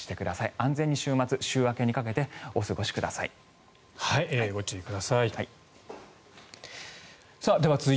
安全に週末、週明けにかけてお過ごしください。